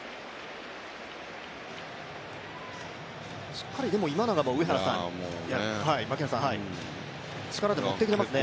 しっかり今永も、力で持っていきますよね。